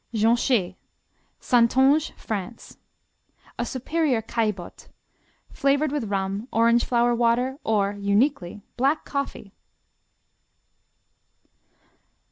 Jonchée Santonge, France A superior Caillebotte, flavored with rum, orange flower water or, uniquely, black coffee.